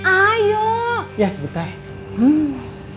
ayo ya sebentar